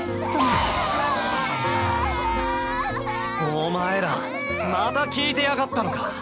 お前らまた聞いてやがったのか。